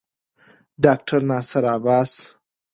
ډاکټر ناصر عباس